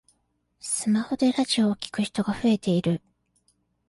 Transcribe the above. スマホでラジオを聞く人が増えている